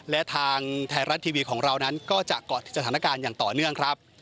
และทางไทยรัฐทีวีของเรานั้นก็จะเกาะติดสถานการณ์อย่างต่อเนื่องครับ